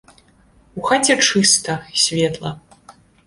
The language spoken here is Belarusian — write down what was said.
У хаце чыста, светла.